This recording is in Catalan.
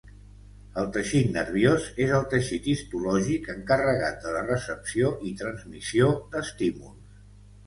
El teixit nerviós és el teixit histològic encarregat de la recepció i transmissió d'estímuls.